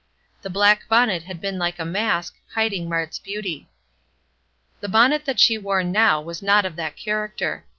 The black bonnet had been like a mask, hiding Mart's beauty. The bonnet that she wore now was not of that character.